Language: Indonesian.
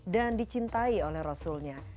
dan dicintai oleh rasulnya